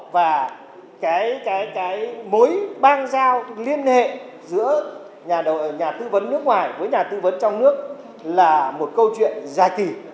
và cái mối bang giao liên hệ giữa nhà tư vấn nước ngoài với nhà tư vấn trong nước là một câu chuyện dài kỳ